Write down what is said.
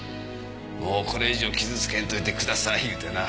もうこれ以上傷つけんといてくださいいうてな。